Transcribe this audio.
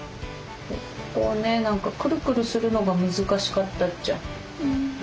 ここをね何かクルクルするのが難しかったっちゃ。